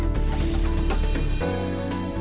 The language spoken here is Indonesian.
dalam masalah kesehatan ekonomi dan penduduk